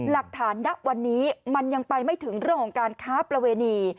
ณวันนี้มันยังไปไม่ถึงเรื่องของการค้าประเวณี